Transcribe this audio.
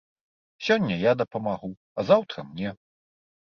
Сёння я дапамагу, а заўтра мне.